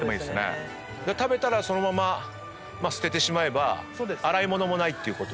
食べたらそのまま捨ててしまえば洗い物もないっていうこと。